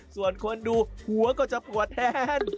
ส่วนคนดูหัวก็จะปวดแทน